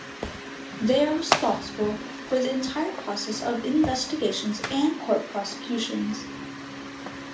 They are responsible for the entire process of investigations and court prosecutions.